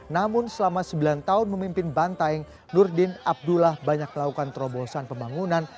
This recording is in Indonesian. namun selama sembilan tahun memimpin bantaeng nurdin abdullah banyak melakukan terobosan pembangunan